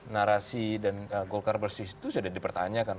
narasi dan golkar bersih itu sudah dipertanyakan